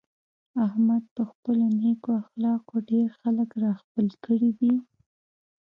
احمد په خپلو نېکو اخلاقو ډېر خلک را خپل کړي دي.